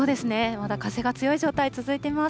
まだ風が強い状態、続いています。